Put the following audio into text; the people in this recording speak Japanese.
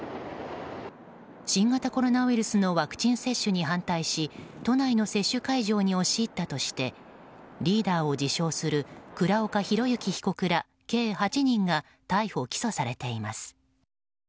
新型コロナウイルスのワクチン接種に反対し都内の接種会場に押し入ったとしてリーダーを自称する倉岡宏行被告ら計８人が逮捕・起訴されています。